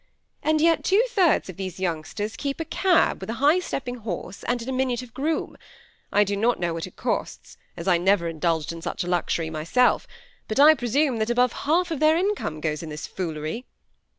And yet two thirds of these youngsters keep a cab with a high stepping horse and a diminutive groom. I do not know what it costs, as I never indulged in such a luxury myself; but I presume that above half of their income goes in this foolery."